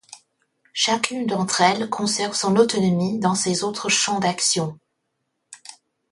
Chacune d'entre elles conserve son autonomie dans ses autres champs d'action.